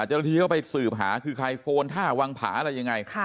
เจ้าหน้าที่เข้าไปสืบหาคือใครโฟนท่าวังผาอะไรยังไง